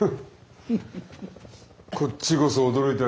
フッこっちこそ驚いたよ。